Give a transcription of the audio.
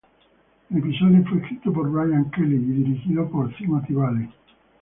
El episodio fue escrito por Brian Kelley y dirigido por Timothy Bailey.